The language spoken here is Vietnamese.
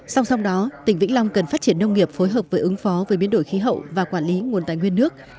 song song đó tỉnh vĩnh long cần phát triển nông nghiệp phối hợp với ứng phó với biến đổi khí hậu và quản lý nguồn tài nguyên nước